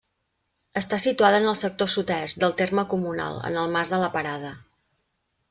Està situada en el sector sud-est del terme comunal, en el mas de la Parada.